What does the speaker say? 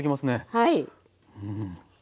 はい。